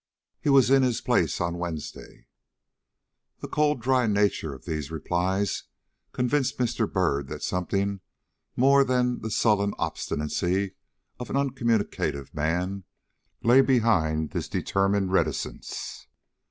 "He was in his place on Wednesday." The cold, dry nature of these replies convinced Mr. Byrd that something more than the sullen obstinacy of an uncommunicative man lay behind this determined reticence.